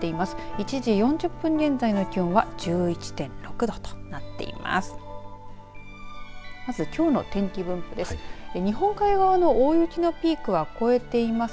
１時４０分現在の気温は１１．６度となっています。